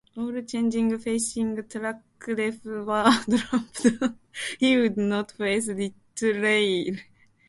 All charges facing Tankleff were dropped; he would not face retrial.